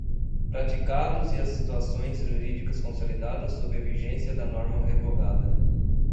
praticados e as situações jurídicas consolidadas sob a vigência da norma revogada.